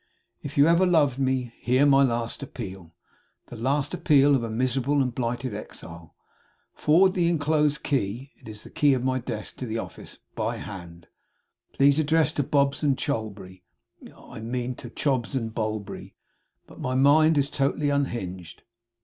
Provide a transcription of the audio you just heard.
'If you ever loved me, hear my last appeal! The last appeal of a miserable and blighted exile. Forward the inclosed it is the key of my desk to the office by hand. Please address to Bobbs and Cholberry I mean to Chobbs and Bolberry but my mind is totally unhinged.